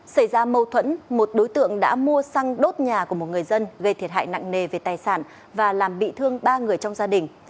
xảy ra mâu thuẫn một đối tượng đã mua xăng đốt nhà của một người dân gây thiệt hại nặng nề về tài sản và làm bị thương ba người trong gia đình